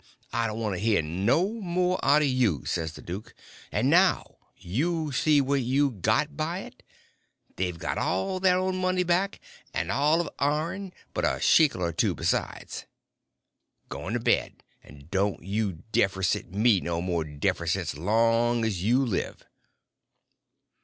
I don't want to hear no more out of you!" says the duke. "And now you see what you got by it. They've got all their own money back, and all of ourn but a shekel or two besides. G'long to bed, and don't you deffersit me no more deffersits, long 's you live!"